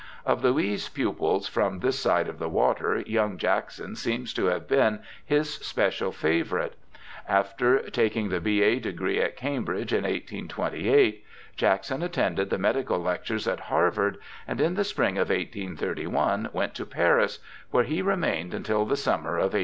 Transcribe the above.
Of Louis' pupils from this side of the water, young Jackson seems to have been his special favourite. After taking the B.A. degree at Cambridge in 1828, Jackson at tended the medical lectures at Harvard, and in the spring of 1831 went to Paris, where he remained until the summer of 1832.